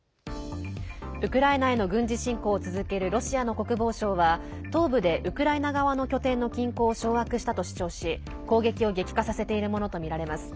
ウクライナへの軍事侵攻を続けるロシアの国防省は東部でウクライナ側の拠点の近郊を掌握したと主張し攻撃を激化させているものとみられます。